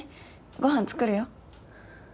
ご飯作るよ。